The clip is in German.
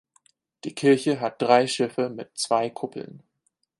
Die Kirche hat drei Schiffe mit zwei Kuppeln.